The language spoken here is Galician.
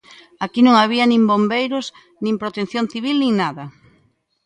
Aquí non había nin bombeiros, nin protección civil nin nada.